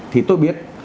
thì tôi biết